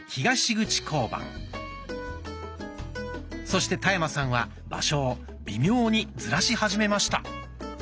そして田山さんは場所を微妙にずらし始めました。